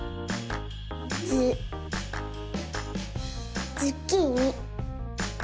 ズズッキーニ。